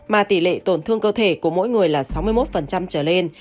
mà tỷ lệ tổn thương cơ thể của mỗi người là sáu mươi một trở lên